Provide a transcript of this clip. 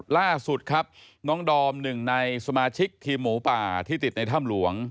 ล่าสุดครับน้องดอมหนึ่งในสมาชิกทีมหมูป่าที่ติดในถ้ำหลวง